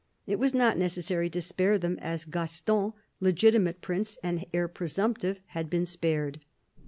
It was not necessary to spare them as Gaston, legitimate prince and heir presumptive, had been spared.